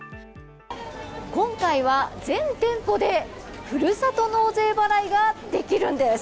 今回は全店舗でふるさと納税払いができるんです。